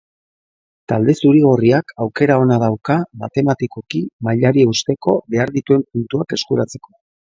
Talde zuri-gorriak aukera ona dauka matematikoki mailari eusteko behar dituen puntuak eskuratzeko.